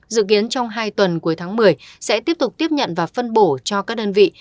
dự kiến trong hai tuần cuối tháng một mươi sẽ tiếp tục tiếp nhận và phân bổ cho các đơn vị